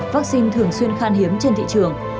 vaccine thường xuyên khan hiếm trên thị trường